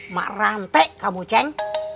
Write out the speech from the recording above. ma rante kamu ceng